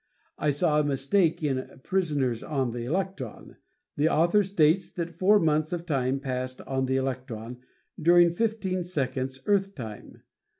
I saw a mistake in "Prisoners on the Electron." The author states that four months of time passed on the electron during fifteen seconds Earth time.